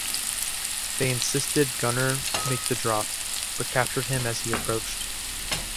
They insisted Gunnar make the drop, but captured him as he approached.